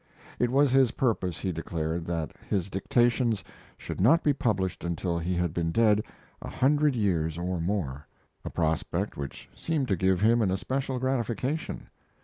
It was his purpose, he declared, that his dictations should not be published until he had been dead a hundred years or more a prospect which seemed to give him an especial gratification.